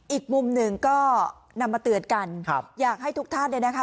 อีกมุมหนึ่งก็นำมาเตือนกันครับอยากให้ทุกท่านเนี่ยนะคะ